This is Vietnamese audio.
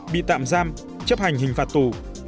bị tạm giam chấp hành hình phạt tù